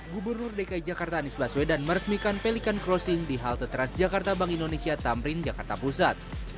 gubernur dki jakarta anies baswedan meresmikan pelikan crossing di halte transjakarta bank indonesia tamrin jakarta pusat